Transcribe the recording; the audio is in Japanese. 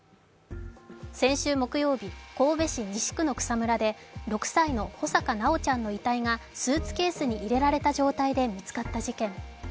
先週木曜日、神戸市西区の草むらで６歳の穂坂修ちゃんの遺体がスーツケースに入れられた状態で見つかった事件。